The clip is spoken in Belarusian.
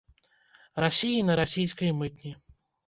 Расіі на расійскай мытні.